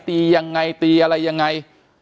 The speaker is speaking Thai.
ตียังไงตีอะไรยังไง